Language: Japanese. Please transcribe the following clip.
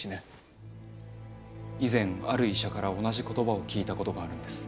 以前ある医者から同じ言葉を聞いたことがあるんです。